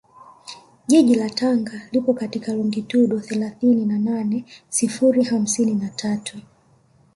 Jiji la Tanga lipo katika longitudo thelathini na nane sifuri hamsini na tatu